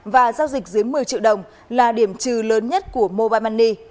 và giao dịch dưới một mươi triệu đồng là điểm trừ lớn nhất của mobile money